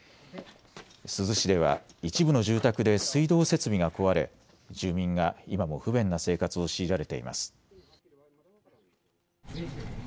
珠洲市では一部の住宅で水道設備が壊れ住民が今も不安な生活を強いられています。